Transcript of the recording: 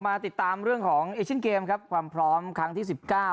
มาติดตามเรื่องของเอเชียนเกมครับความพร้อมครั้งที่สิบเก้า